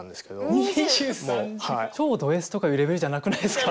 ２３時間超ドＳとかいうレベルじゃなくないですか？